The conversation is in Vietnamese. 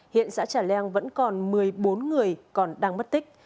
hiện xã trà leng vẫn còn một mươi bốn người còn đang mất tích